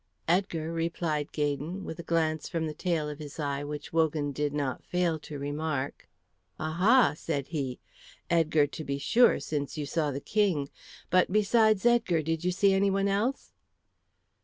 "Edgar," replied Gaydon, with a glance from the tail of his eye which Wogan did not fail to remark. "Aha!" said he. "Edgar, to be sure, since you saw the King. But besides Edgar, did you see anyone else?"